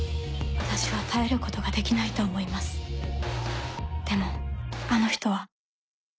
私は耐えることができないと思いますでもあの人は拓郎君！